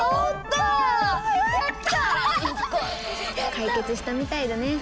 解決したみたいだね。